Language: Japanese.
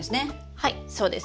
はいそうです。